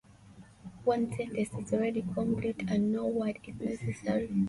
One sentence is already complete, and no word is necessary.